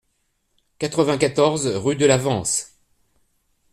quatre-vingt-quatorze rue de l'Avance